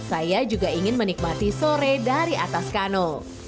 saya juga ingin menikmati sore dari atas kano